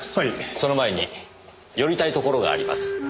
その前に寄りたい所があります。